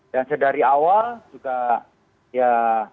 dan sedari awal juga ya